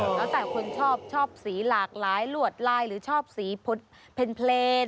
แล้วแต่คนชอบชอบสีหลากหลายหลวดลายหรือชอบสีเพลิน